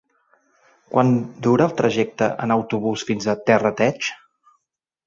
Quant dura el trajecte en autobús fins a Terrateig?